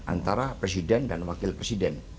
antara presiden dan wakil presiden